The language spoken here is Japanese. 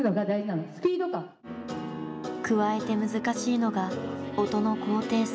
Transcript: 加えて難しいのが音の高低差。